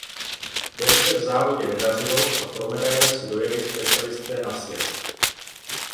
Těm se v závodě nedařilo a pro medaile si dojeli specialisté na sjezd.